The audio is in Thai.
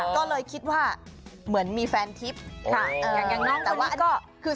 ก็เลยคิดว่าเหมือนมีแฟนทิปค่ะอย่างน้องคนนี้ก็คือ